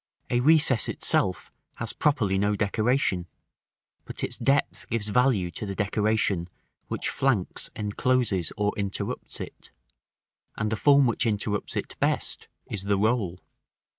A recess itself has properly no decoration; but its depth gives value to the decoration which flanks, encloses, or interrupts it, and the form which interrupts it best is the roll.